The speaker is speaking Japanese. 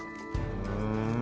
ふん。